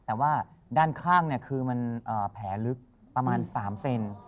แต่ว่าด้านข้างคือมันแผลลึกประมาณ๓เซน